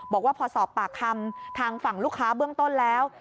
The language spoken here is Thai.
บอกว่าพอสอบปากคำทางฝั่งลูกค้าเบื้องต้นแล้ว